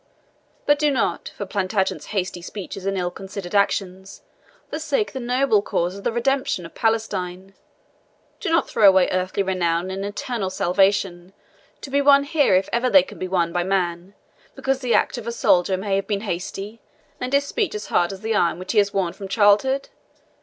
But do not, for Plantagenet's hasty speeches and ill considered actions, forsake the noble cause of the redemption of Palestine do not throw away earthly renown and eternal salvation, to be won here if ever they can be won by man, because the act of a soldier may have been hasty, and his speech as hard as the iron which he has worn from childhood.